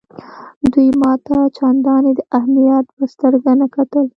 دوی ما ته چنداني د اهمیت په سترګه نه کتل.